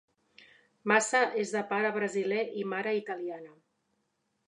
Massa és de pare brasiler i mare italiana.